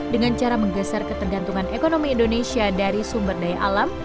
dengan cara menggeser ketergantungan ekonomi indonesia dari sumber daya alam